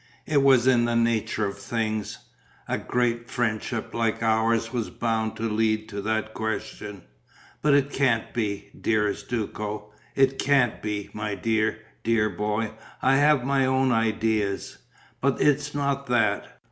It was in the nature of things. A great friendship like ours was bound to lead to that question. But it can't be, dearest Duco. It can't be, my dear, dear boy. I have my own ideas ... but it's not that.